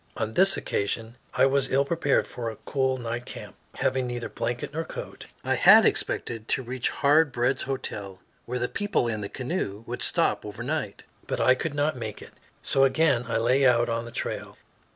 On this occasion I was ill prepared for a cool night camp, having neither blanket nor coat. I had expected to reach Hard Bread's Hotel, where the people in the canoe would stop overnight. But I could not make it, so again I lay out on the trail.